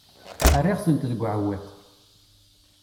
Rriɣ-tent deg uɛewwiq.